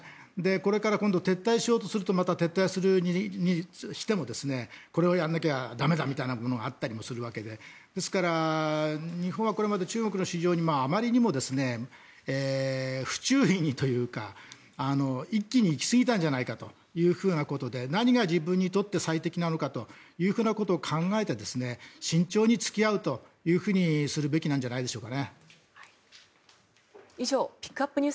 これから今度は撤退しようとするとまた撤退してもこれをやらなきゃ駄目だみたいなことがあったりするわけでですから、日本はこれまで中国の市場にあまりにも不注意にというか一気に行き過ぎたんじゃないかということで何が自分にとって最適なのかということを考えて身長に付き合うとするべきなんじゃないでしょう。